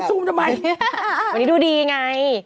เพราะว่าวันนี้ดูดีไง